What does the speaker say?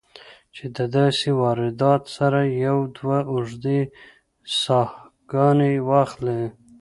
چې د داسې واردات سره يو دوه اوږدې ساهګانې واخلې